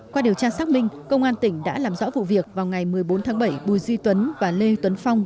qua điều tra xác minh công an tỉnh đã làm rõ vụ việc vào ngày một mươi bốn tháng bảy bùi duy tuấn và lê tuấn phong